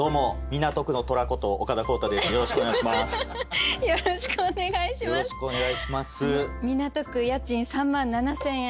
港区家賃３万７，０００円